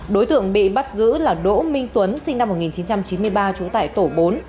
đối tượng bị bắt giữ là đỗ minh tuấn sinh năm một nghìn chín trăm chín mươi ba trú tại tổ bốn